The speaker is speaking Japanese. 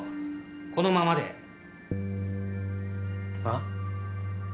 このままであぁ？